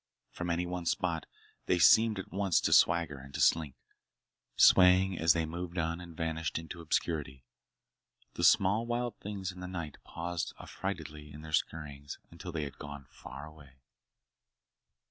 From any one spot they seemed at once to swagger and to slink, swaying as they moved on and vanished into obscurity. The small wild things in the night paused affrightedly in their scurryings until they had gone far away.